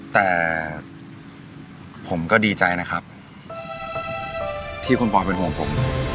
แต่ผมก็ดีใจนะครับที่คุณปอยเป็นห่วงผม